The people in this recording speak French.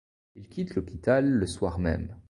Il quitte l'hôpital le soir-même.